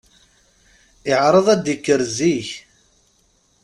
Iɛṛeḍ ad d-yekker zik.